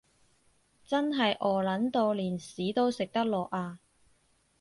真係餓 𨶙 到連屎都食得落呀